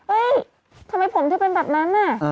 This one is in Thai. เฮ่ยทำไมผมจะเป็นแบบนั้น